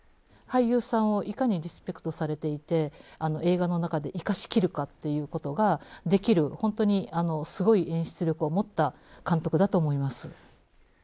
俳優さんをいかにリスペクトされていて映画の中で生かしきるかっていうことができる本当にすごい演出力を持った監督だと思います。